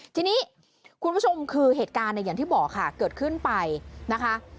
ทีนี้คุณผู้ชมคือเหตุการณ์เนี่ยอย่างที่บอกค่ะเกิดขึ้นไปนะคะ